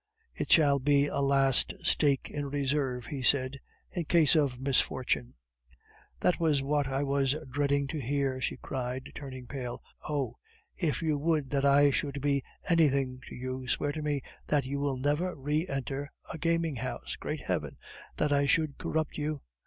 "It shall be a last stake in reserve," he said, "in case of misfortune." "That was what I was dreading to hear," she cried, turning pale. "Oh, if you would that I should be anything to you, swear to me that you will never re enter a gaming house. Great Heaven! that I should corrupt you!